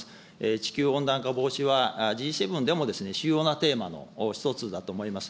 地球温暖化防止は、Ｇ７でも主要なテーマの一つだと思います。